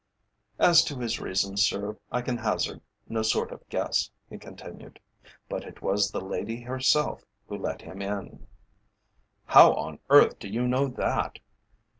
"As to his reason, sir, I can hazard no sort of guess," he continued. "But it was the lady herself who let him in." "How on earth do you know that?"